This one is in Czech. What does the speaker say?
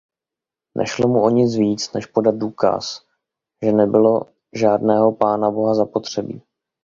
Nešlo mu o nic víc než podat důkaz, že nebylo žádného Pánaboha zapotřebí.